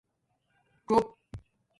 څݸپ